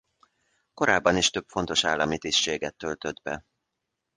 Korábban is több fontos állami tisztséget töltött be.